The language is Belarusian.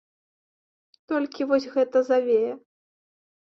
Толькі вось гэта завея.